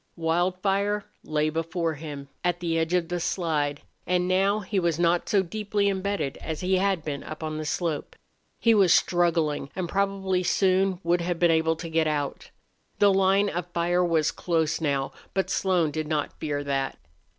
Wildfire lay before him, at the edge of the slide, and now he was not so deeply embedded as he had been up on the slope. He was struggling and probably soon would have been able to get out. The line of fire was close now, but Slone did not fear that.